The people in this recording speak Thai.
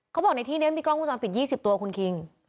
เขาบอกในที่นี้มีกล้องวงจรปิด๒๐ตัวคุณคิง